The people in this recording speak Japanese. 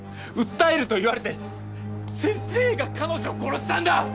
訴えると言われて先生が彼女を殺したんだ！